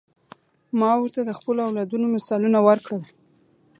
ما ورته د خپلو اولادونو مثالونه ورکړل.